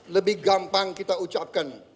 lebih gampang kita ucapkan